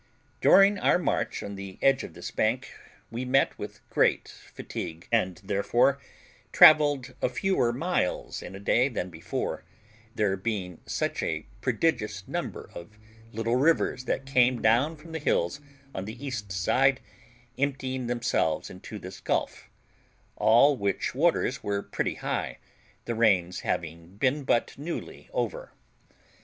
During our march on the edge of this bank we met with great fatigue, and therefore travelled a fewer miles in a day than before, there being such a prodigious number of little rivers that came down from the hills on the east side, emptying themselves into this gulf, all which waters were pretty high, the rains having been but newly over.